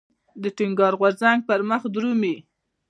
د ټينګار غورځنګ پرمخ درومي.